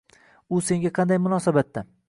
U senga qanday munosabatda